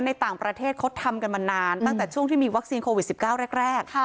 ในต่างประเทศเขาทำกันมานานตั้งแต่ช่วงที่มีวัคซีนโควิด๑๙แรก